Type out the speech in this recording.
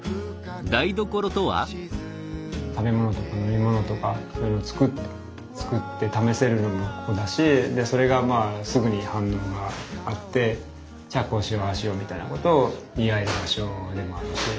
食べ物とか飲み物とかそういうのを作って試せるのもここだしでそれがまあすぐに反応があってじゃあこうしようああしようみたいなことを言い合える場所でもあるし。